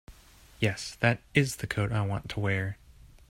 Yes, that IS the coat I want to wear.